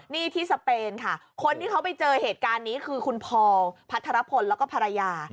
นี่ที่สเปนค่ะคนที่เขาไปเจอเหตุการณ์นี้คือคุณพอพัทรพลแล้วก็ภรรยา